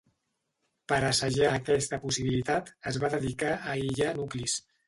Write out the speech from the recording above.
Per assajar aquesta possibilitat es va dedicar a aïllar nuclis.